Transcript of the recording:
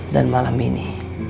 dan malam ini